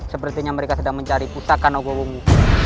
sepertinya mereka sedang mencari putaka nogobombu